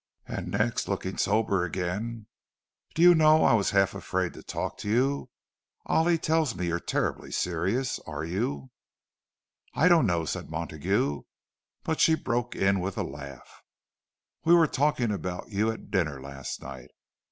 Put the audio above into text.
And next, looking sober again, "Do you know, I was half afraid to talk to you. Ollie tells me you're terribly serious. Are you?" "I don't know," said Montague—but she broke in with a laugh, "We were talking about you at dinner last night.